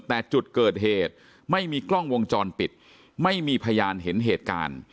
แต่จุดเกิดเหตุไม่มีกล้องวงจรปิดไม่มีพยานเห็นเหตุการณ์